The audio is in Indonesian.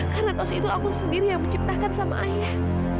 karena tos itu aku sendiri yang menciptakan sama ayah